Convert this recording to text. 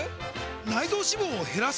内臓脂肪を減らす！？